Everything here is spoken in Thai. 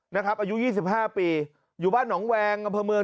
อายุ๒๕ปีอยู่บ้านหนองแวงอำเภอเมือง